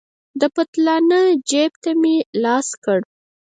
د پتلانه جيب ته مې لاس کړ.